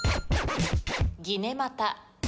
ぎねまた。